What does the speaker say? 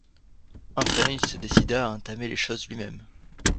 Enfin, il se décida à entamer les choses lui-même.